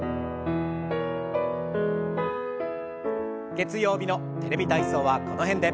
月曜日の「テレビ体操」はこの辺で。